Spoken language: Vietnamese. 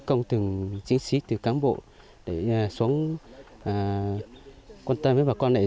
và bây giờ thì cũng phân công từng chiến sĩ từ cán bộ để xuống quan tâm đến bà quang này